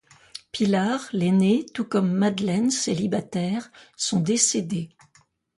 Pilar, l'aînée, tout comme Madeleine, célibataire, sont décédées.